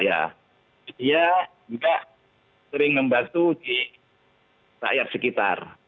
ya dia juga sering membantu di layar sekitar